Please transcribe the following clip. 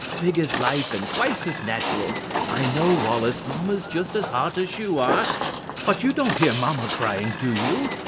Big as life and twice as natural.... I know, Wallace, Mamma's just as hot as you are. But you don't hear Mamma crying do you?...